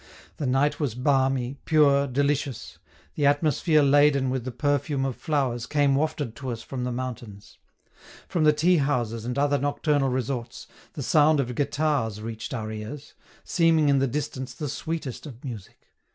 The night was balmy, pure, delicious; the atmosphere laden with the perfume of flowers came wafted to us from the mountains. From the tea houses and other nocturnal resorts, the sound of guitars reached our ears, seeming in the distance the sweetest of music.